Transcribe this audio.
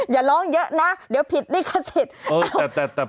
อย่าร้องเยอะนะเดี๋ยวผิดลิขสิทธิ์